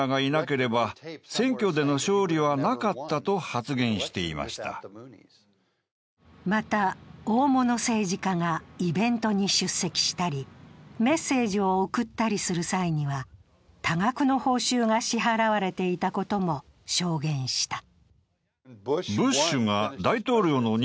更に選挙運動においてはまた、大物政治家がイベントに出席したり、メッセージを送ったりする際には、多額の報酬が支払われていたことも証言した。